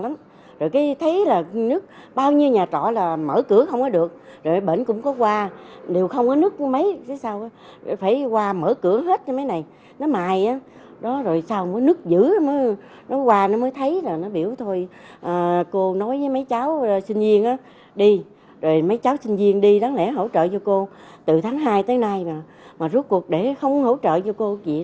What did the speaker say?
mà rốt cuộc để không hỗ trợ cho cô kia